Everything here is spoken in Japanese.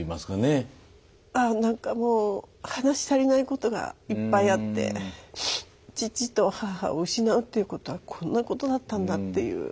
なんかもう話し足りないことがいっぱいあって父と母を失うっていうことはこんなことだったんだっていう。